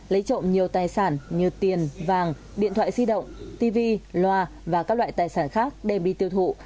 lấy trộm nhiều tài sản như tiền vàng điện thoại di động tv loa và các loại tài sản khác đem đi tiêu thụ